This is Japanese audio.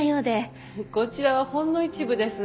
こちらはほんの一部です。